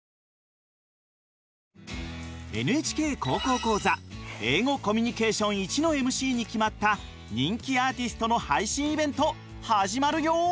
「ＮＨＫ高校講座英語コミュニケーションⅠ」のＭＣに決まった人気アーティストの配信イベント始まるよ！